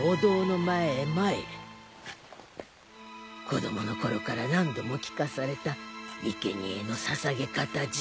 子供のころから何度も聞かされたいけにえの捧げ方じゃ。